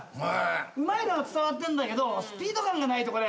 うまいのは伝わってんだけどスピード感がないとこれ。